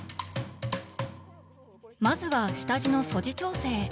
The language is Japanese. まずは下地の素地調整。